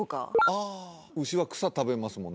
ああ牛は草食べますもんね